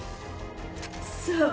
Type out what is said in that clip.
そう。